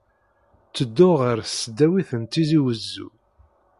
Ttedduɣ ɣer Tesdawit n Tizi Wezzu.